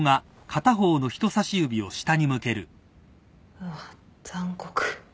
うわ残酷。